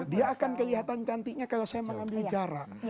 dia akan kelihatan cantiknya kalau saya mengambil jarak